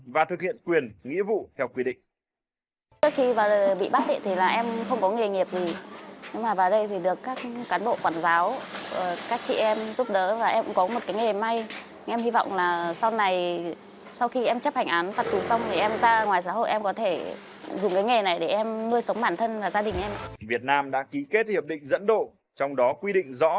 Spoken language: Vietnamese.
và thực hiện quyền nghĩa vụ theo quy định